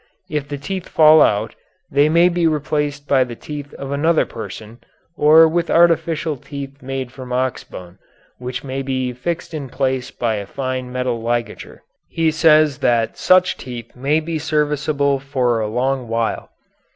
If the teeth fall out they may be replaced by the teeth of another person or with artificial teeth made from oxbone, which may be fixed in place by a fine metal ligature. He says that such teeth may be serviceable for a long while.